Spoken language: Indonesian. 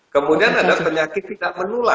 kemudian ada penyakit tidak menular